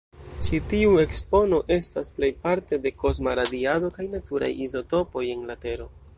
Ĉi tiu ekspono estas plejparte de kosma radiado kaj naturaj izotopoj en la Tero.